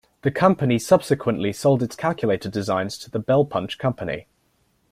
The company subsequently sold its calculator designs to the Bell Punch company.